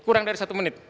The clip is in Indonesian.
kurang dari satu menit